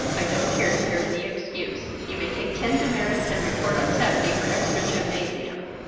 I don't care to hear any excuse. You may take ten demerits, and report on Saturday for extra gymnasium.'